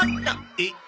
えっ？